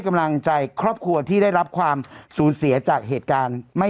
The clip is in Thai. กำลังใจครอบครัวที่ได้รับความสูญเสียจากเหตุการณ์ไม่